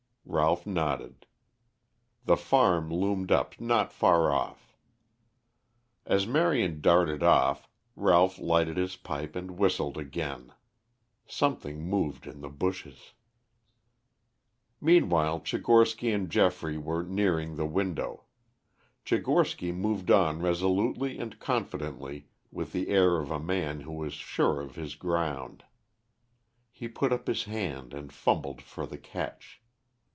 Ralph nodded. The farm loomed up not far off. As Marion darted off Ralph lighted his pipe and whistled again. Something moved in the bushes. Meanwhile Tchigorsky and Geoffrey were nearing the window. Tchigorsky moved on resolutely and confidently with the air of a man who is sure of his ground. He put up his hand and fumbled for the catch.